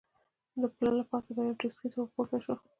د پله له پاسه به یوې ټکسي ته ور پورته شو.